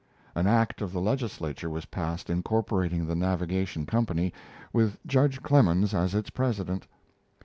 An act of the Legislature was passed incorporating the navigation company, with Judge Clemens as its president.